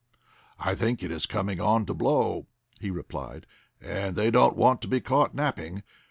"I think it is coming on to blow," he replied, "and they don't want to be caught napping.